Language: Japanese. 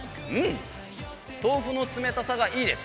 豆腐の冷たさがいいです！